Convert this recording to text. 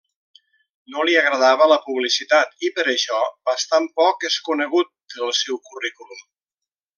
No li agradava la publicitat i per això bastant poc és conegut del seu currículum.